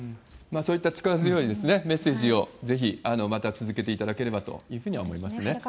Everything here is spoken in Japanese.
そういった力強いメッセージを、ぜひまた続けていただければというふうには思いますね。